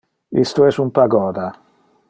Isto es un pagoda.